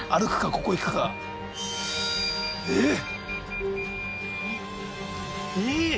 ここ行くかえっ！